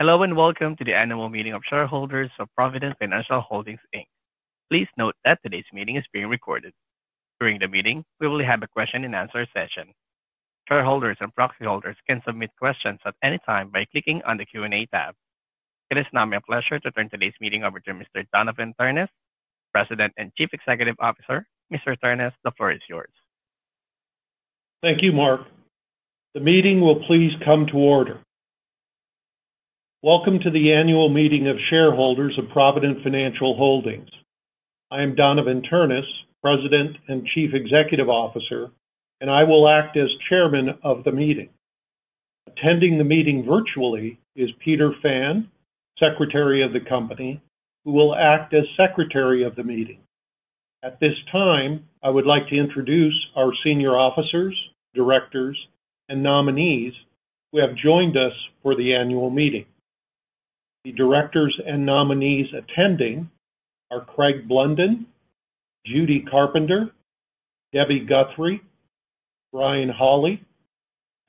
Hello and welcome to the Annual Meeting of shareholders of Provident Financial Holdings. Please note that today's meeting is being recorded. During the meeting, we will have a question-and-answer session. Shareholders and proxy holders can submit questions at any time by clicking on the Q&A tab. It is now my pleasure to turn today's meeting over to Mr. Donavon Ternes, President and Chief Executive Officer. Mr. Ternes, the floor is yours. Thank you, Mark. The meeting will please come to order. Welcome to the annual meeting of shareholders of Provident Financial Holdings. I am Donavon Ternes, President and Chief Executive Officer, and I will act as Chairman of the meeting. Attending the meeting virtually is Peter C. Fan, Secretary of the Company, who will act as Secretary of the Meeting. At this time, I would like to introduce our senior officers, directors, and nominees who have joined us for the annual meeting. The directors and nominees attending are Craig Blunden, Judy Carpenter, Debbie H. Guthrie, Brian Hawley,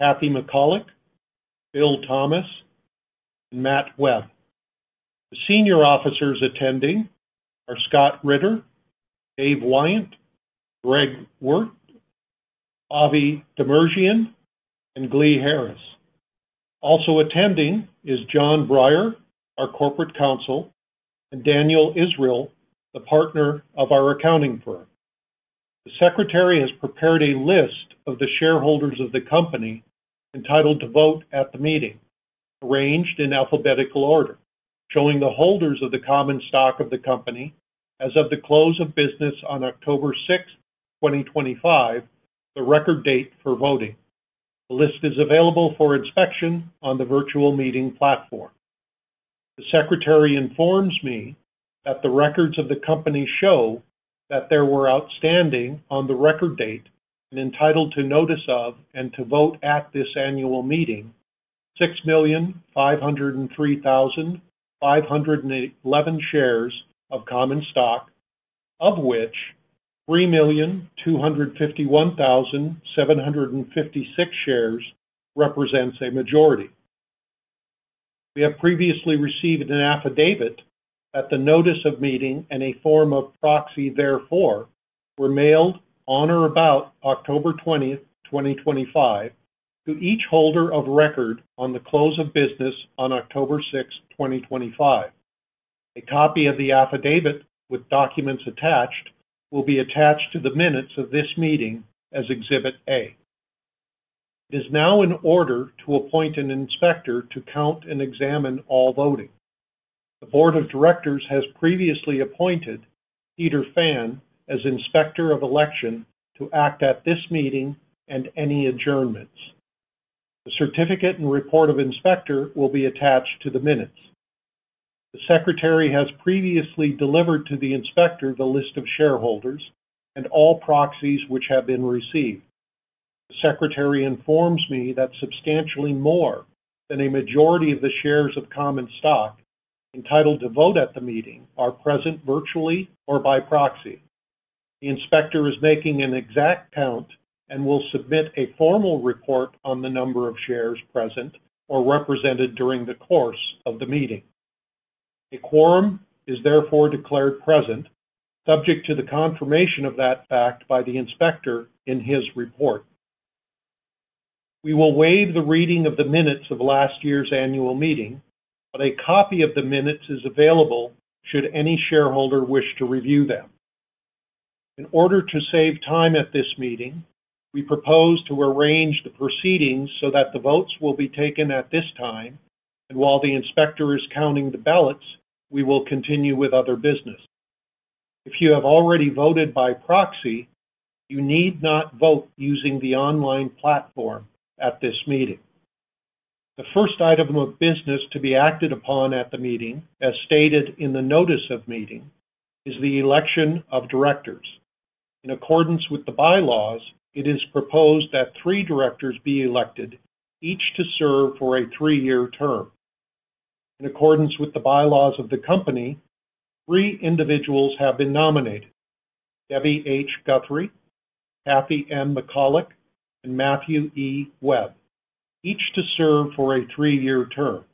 Kathy M. Michalak, Bill Thomas, and Matthew E. Webb. The senior officers attending are Scott Ritter, Dave Wyant, Greg Wirt, Avi Demirdjian, and Glee Harris. Also attending is John Breyer, our Corporate Counsel, and Daniel Israel, the partner of our accounting firm. The Secretary has prepared a list of the shareholders of the company entitled to vote at the meeting, arranged in alphabetical order, showing the holders of the common stock of the company as of the close of business on October 6, 2025, the record date for voting. The list is available for inspection on the virtual meeting platform. The Secretary informs me that the records of the company show that there were outstanding on the record date and entitled to notice of and to vote at this annual meeting 6,503,511 shares of common stock, of which 3,251,756 shares represent a majority. We have previously received an affidavit that the notice of meeting and a form of proxy therefore were mailed on or about October 20, 2025, to each holder of record on the close of business on October 6, 2025. A copy of the affidavit with documents attached will be attached to the minutes of this meeting as Exhibit A. It is now in order to appoint an inspector to count and examine all voting. The Board of Directors has previously appointed Peter C. Fan as Inspector of Election to act at this meeting and any adjournments. The certificate and report of inspector will be attached to the minutes. The Secretary has previously delivered to the inspector the list of shareholders and all proxies which have been received. The Secretary informs me that substantially more than a majority of the shares of common stock entitled to vote at the meeting are present virtually or by proxy. The inspector is making an exact count and will submit a formal report on the number of shares present or represented during the course of the meeting. A quorum is therefore declared present, subject to the confirmation of that fact by the inspector in his report. We will waive the reading of the minutes of last year's annual meeting, but a copy of the minutes is available should any shareholder wish to review them. In order to save time at this meeting, we propose to arrange the proceedings so that the votes will be taken at this time, and while the inspector is counting the ballots, we will continue with other business. If you have already voted by proxy, you need not vote using the online platform at this meeting. The first item of business to be acted upon at the meeting, as stated in the notice of meeting, is the election of directors. In accordance with the bylaws, it is proposed that three directors be elected, each to serve for a three-year term. In accordance with the bylaws of the company, three individuals have been nominated: Debbie H. Guthrie, Kathy M. Michalak, and Matthew E. Webb, each to serve for a three-year term.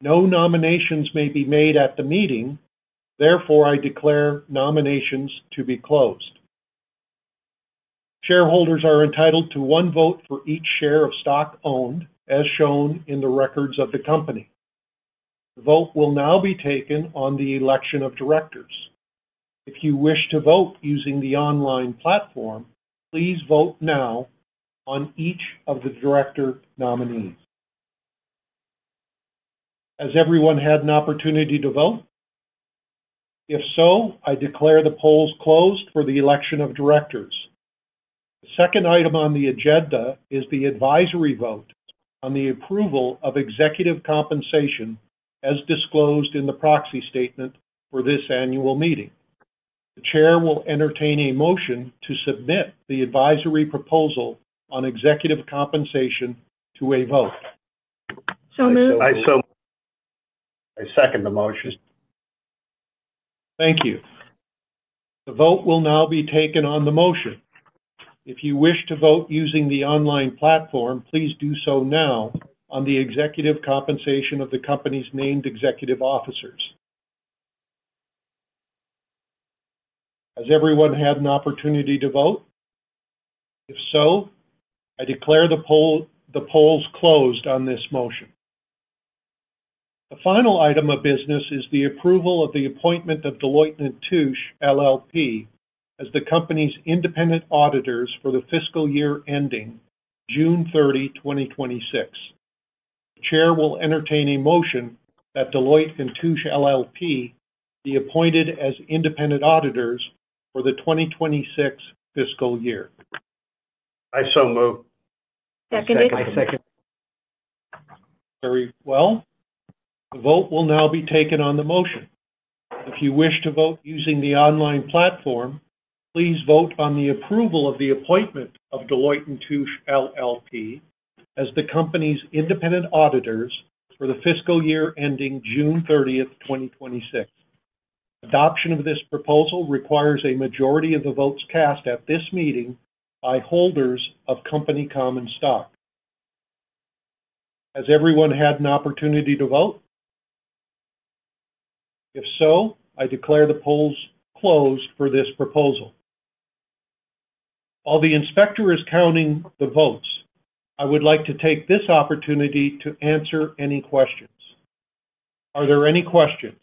No nominations may be made at the meeting, therefore, I declare nominations to be closed. Shareholders are entitled to one vote for each share of stock owned, as shown in the records of the company. The vote will now be taken on the election of directors. If you wish to vote using the online platform, please vote now on each of the director nominees. Has everyone had an opportunity to vote? If so, I declare the polls closed for the election of directors. The second item on the agenda is the advisory vote on the approval of executive compensation as disclosed in the proxy statement for this annual meeting. The Chair will entertain a motion to submit the advisory proposal on executive compensation to a vote. So moved. I second the motion. Thank you. The vote will now be taken on the motion. If you wish to vote using the online platform, please do so now on the executive compensation of the company's named executive officers. Has everyone had an opportunity to vote? If so, I declare the polls closed on this motion. The final item of business is the approval of the appointment of Deloitte & Touche, LLP, as the company's independent auditors for the fiscal year ending June 30, 2026. The Chair will entertain a motion that Deloitte & Touche, LLP be appointed as independent auditors for the 2026 fiscal year. I so move. Seconded. I second. Very well. The vote will now be taken on the motion. If you wish to vote using the online platform, please vote on the approval of the appointment of Deloitte & Touche, LLP, as the company's independent auditors for the fiscal year ending June 30, 2026. Adoption of this proposal requires a majority of the votes cast at this meeting by holders of company common stock. Has everyone had an opportunity to vote? If so, I declare the polls closed for this proposal. While the inspector is counting the votes, I would like to take this opportunity to answer any questions. Are there any questions?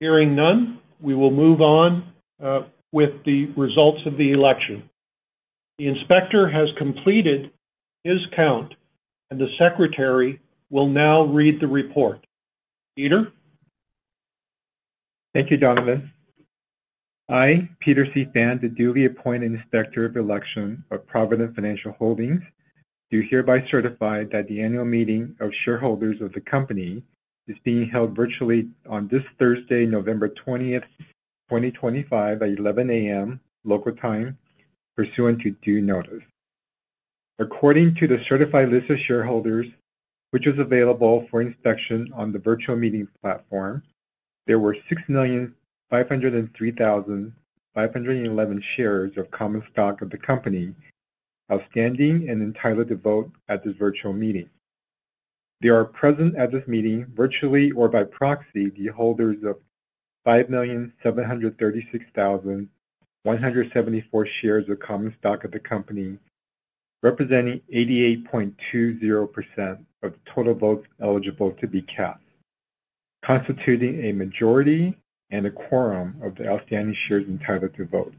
Hearing none, we will move on with the results of the election. The inspector has completed his count, and the Secretary will now read the report. Peter? Thank you, Donavon. I, Peter C. Phan, the duly appointed Inspector of Election of Provident Financial Holdings, do hereby certify that the annual meeting of shareholders of the company is being held virtually on this Thursday, November 20, 2025, at 11:00 A.M. local time, pursuant to due notice. According to the certified list of shareholders, which is available for inspection on the virtual meeting platform, there were 6,503,511 shares of common stock of the company outstanding and entitled to vote at this virtual meeting. There are present at this meeting virtually or by proxy the holders of 5,736,174 shares of common stock of the company, representing 88.20% of the total votes eligible to be cast, constituting a majority and a quorum of the outstanding shares entitled to vote.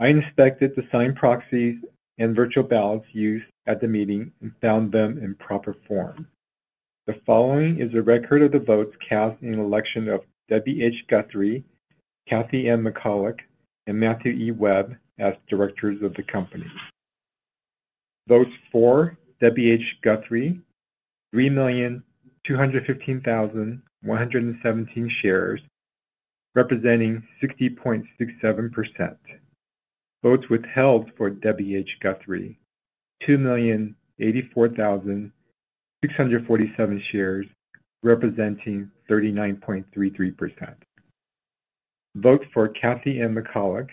I inspected the signed proxies and virtual ballots used at the meeting and found them in proper form. The following is a record of the votes cast in the election of Debbie H. Guthrie, Kathy M. Michalak, and Matthew E. Webb as directors of the company. Votes for Debbie H. Guthrie: 3,215,117 shares, representing 60.67%. Votes withheld for Debbie H. Guthrie: 2,084,647 shares, representing 39.33%. Votes for Kathy M. Michalak: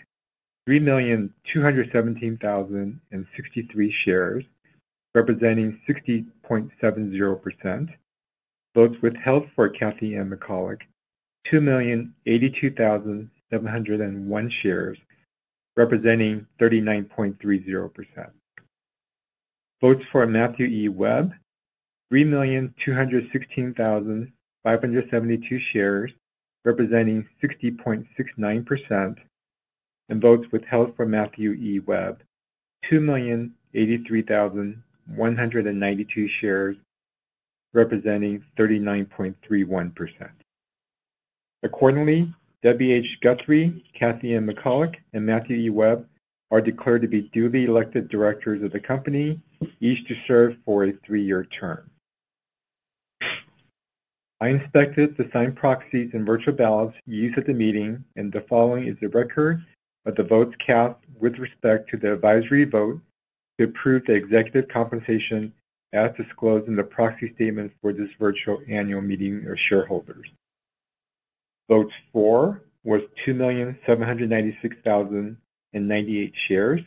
3,217,063 shares, representing 60.70%. Votes withheld for Kathy M. Michalak: 2,082,701 shares, representing 39.30%. Votes for Matthew E. Webb: 3,216,572 shares, representing 60.69%. Votes withheld for Matthew E. Webb: 2,083,192 shares, representing 39.31%. Accordingly, Debbie H. Guthrie, Kathy M. Michalak, and Matthew E. Webb are declared to be duly elected directors of the company, each to serve for a three-year term. I inspected the signed proxies and virtual ballots used at the meeting, and the following is a record of the votes cast with respect to the advisory vote to approve the executive compensation as disclosed in the proxy statement for this virtual annual meeting of shareholders. Votes for was 2,796,098 shares,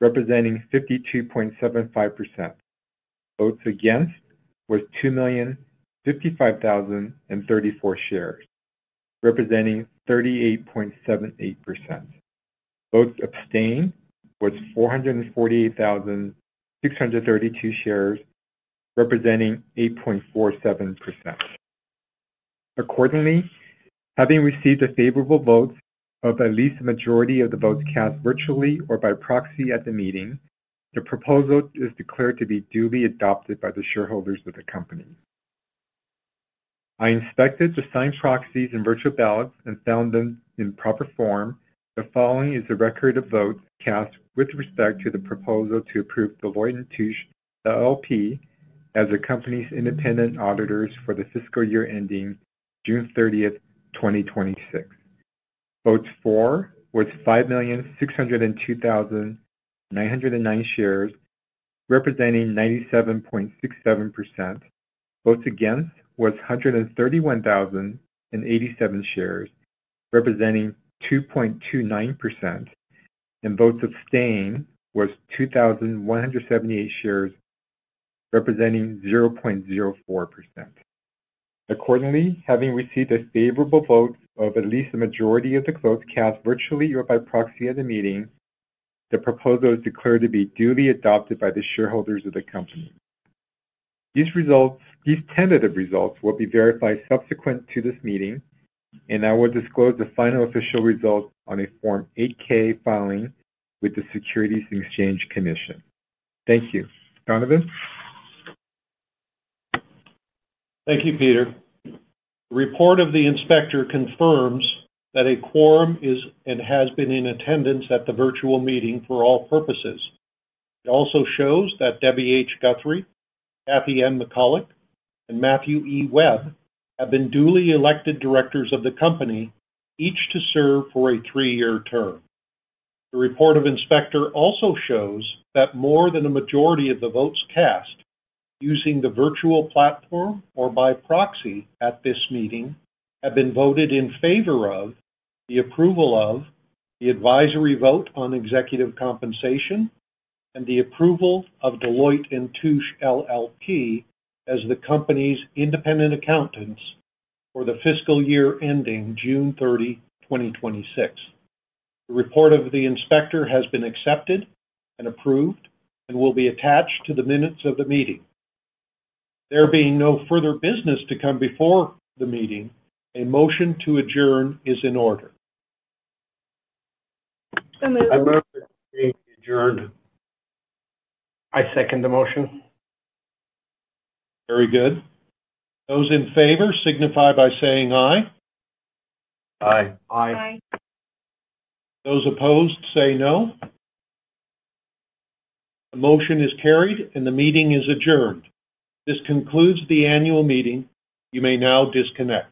representing 52.75%. Votes against was 2,055,034 shares, representing 38.78%. Votes abstained was 448,632 shares, representing 8.47%. Accordingly, having received a favorable vote of at least a majority of the votes cast virtually or by proxy at the meeting, the proposal is declared to be duly adopted by the shareholders of the company. I inspected the signed proxies and virtual ballots and found them in proper form. The following is a record of votes cast with respect to the proposal to approve Deloitte & Touche, LLP, as the company's independent auditors for the fiscal year ending June 30, 2026. Votes for was 5,602,909 shares, representing 97.67%. Votes against was 131,087 shares, representing 2.29%. Votes abstained was 2,178 shares, representing 0.04%. Accordingly, having received a favorable vote of at least a majority of the votes cast virtually or by proxy at the meeting, the proposal is declared to be duly adopted by the shareholders of the company. These tentative results will be verified subsequent to this meeting, and I will disclose the final official result on a Form 8-K filing with the Securities and Exchange Commission. Thank you. Donavon? Thank you, Peter. The report of the inspector confirms that a quorum is and has been in attendance at the virtual meeting for all purposes. It also shows that Debbie H. Guthrie, Kathy M. Michalak, and Matthew E. Webb have been duly elected directors of the company, each to serve for a three-year term. The report of the inspector also shows that more than a majority of the votes cast using the virtual platform or by proxy at this meeting have been voted in favor of the approval of the advisory vote on executive compensation and the approval of Deloitte & Touche, LLP, as the company's independent accountants for the fiscal year ending June 30, 2026. The report of the inspector has been accepted and approved and will be attached to the minutes of the meeting. There being no further business to come before the meeting, a motion to adjourn is in order. So moved. I move to adjourn. I second the motion. Very good. Those in favor signify by saying aye. Aye. Aye. Aye. Those opposed say no. The motion is carried, and the meeting is adjourned. This concludes the annual meeting. You may now disconnect.